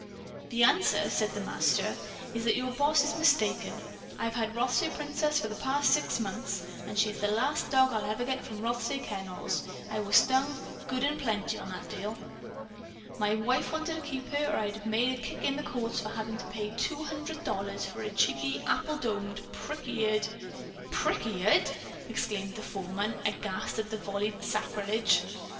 "The answer," said the Master, "is that your boss is mistaken. I've had Rothsay Princess for the past six months. And she's the last dog I'll ever get from the Rothsay Kennels. I was stung, good and plenty, on that deal. "My wife wanted to keep her, or I'd have made a kick in the courts for having to pay two hundred dollars for a cheeky, apple domed, prick eared " "Prick eared!" exclaimed the foreman, aghast at the volleyed sacrilege.